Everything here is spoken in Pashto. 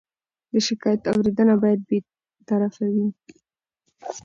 د شکایت اورېدنه باید بېطرفه وي.